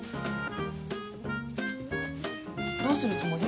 どうするつもり？